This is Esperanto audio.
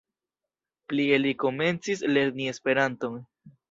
Plie li komencis lerni Esperanton.